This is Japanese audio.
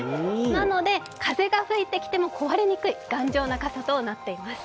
なので風が吹いてきても壊れにくい頑丈な傘となっています。